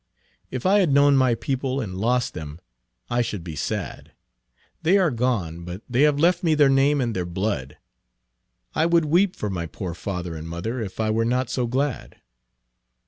If I had known my people and lost them, I should be sad. They are gone, but they have left me their name and their blood. I would weep for my poor father and mother if I were not so glad."